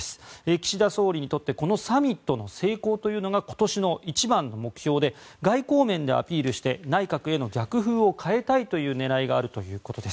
岸田総理にとってこのサミットの成功というのが今年の一番の目標で外交面でアピールして内閣への逆風を変えたいという狙いがあるということです。